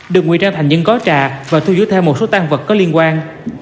được nguyên trang thành những gói trà và thu dưới theo một số tan vật có liên quan